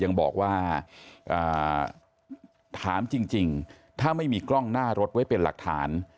ยังบอกว่าถามจริงถ้าไม่มีกล้องหน้ารถไว้เป็นหลักฐาน